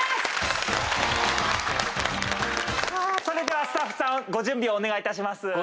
それではスタッフさんご準備をお願いいたします。